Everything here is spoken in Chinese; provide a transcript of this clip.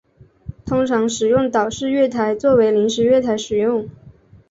通常使用岛式月台作为临时月台使用。